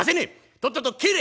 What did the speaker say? とっとと帰れ！」。